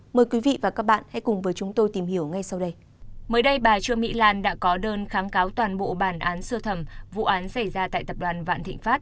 mỹ lan đã có đơn kháng cáo toàn bộ bản án sơ thẩm vụ án xảy ra tại tập đoàn vạn thịnh pháp